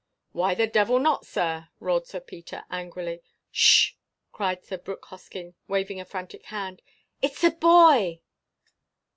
"Why the devil not, sir?" roared Sir Peter, angrily. "Sh!" cried Mr. Brooke Hoskyn, waving a frantic hand. "_It's a boy!